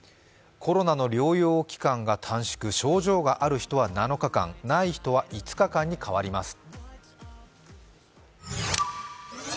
コロナの療養期間が短縮症状がある人は７日間、ない人は５日間に変わります。